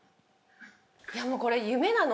いやもうこれ夢なの？